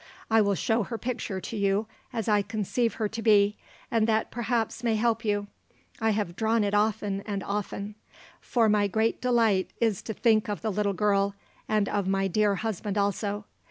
I will show her picture to you as I conceive her to be, and that perhaps may help you. I have drawn it often and often; for my great delight is to think of the little girl, and of my dear husband also.